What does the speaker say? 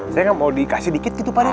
saya ga mau dikasih dikit gitu pade